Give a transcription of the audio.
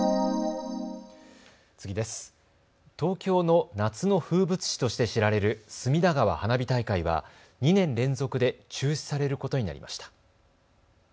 東京の夏の風物詩として知られる隅田川花火大会は２年連続で中止されることになりました。